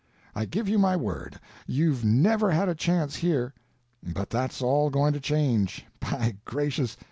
I give you my word. You've never had a chance here, but that's all going to change. By gracious!